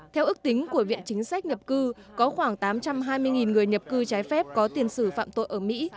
theo ước tính của viện chính sách nhập cư có khoảng tám trăm hai mươi người nhập cư trái phép có tiền sử phạm tội ở mỹ